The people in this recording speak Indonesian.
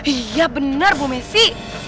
iya benar bu messi